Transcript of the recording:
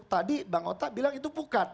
tadi bang ota bilang itu bukan